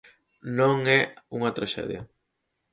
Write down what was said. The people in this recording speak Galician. Non é unha traxedia.